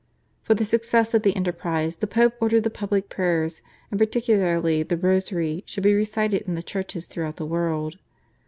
For the success of the enterprise the Pope ordered that public prayers and particularly the Rosary should be recited in the churches throughout the world.